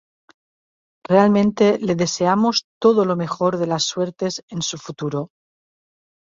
Realmente le deseamos todo lo mejor de las suertes en su futuro!